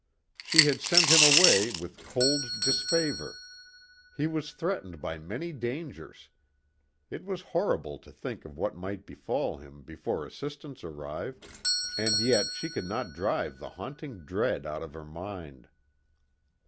She had sent him away with cold disfavour; he was threatened by many dangers; it was horrible to think of what might befall him before assistance arrived, and yet she could not drive the haunting dread out of her mind.